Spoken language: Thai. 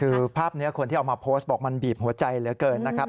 คือภาพนี้คนที่เอามาโพสต์บอกมันบีบหัวใจเหลือเกินนะครับ